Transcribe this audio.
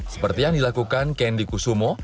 seperti yang dilakukan kendi kusumo